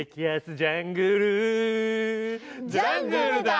ジャングルだー！